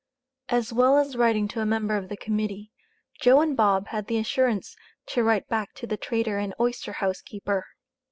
As well as writing to a member of the Committee, Joe and Bob had the assurance to write back to the trader and oyster house keeper.